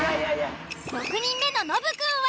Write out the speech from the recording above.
６人目のノブくんは。